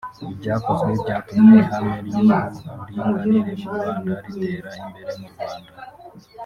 Ibyakozwe byatumye ihame ry’uburinganire mu Rwanda ritera imbere mu Rwanda